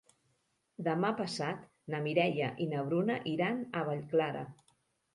Demà passat na Mireia i na Bruna iran a Vallclara.